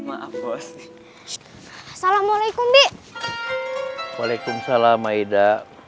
assalamualaikum waalaikumsalam aida